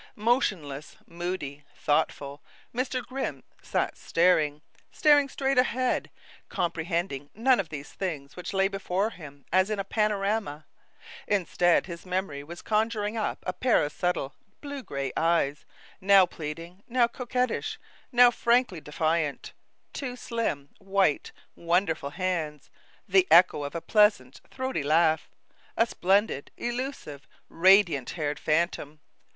Motionless, moody, thoughtful, Mr. Grimm sat staring, staring straight ahead, comprehending none of these things which lay before him as in a panorama. Instead, his memory was conjuring up a pair of subtle, blue gray eyes, now pleading, now coquettish, now frankly defiant; two slim, white, wonderful hands; the echo of a pleasant, throaty laugh; a splendid, elusive, radiant haired phantom.